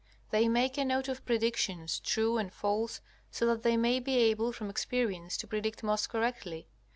They make a note of predictions, true and false, so that they may be able from experience to predict most correctly.